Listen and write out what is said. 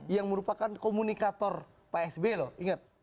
yang merupakan komunikator psb loh ingat